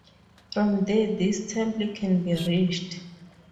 From there this temple can be reached.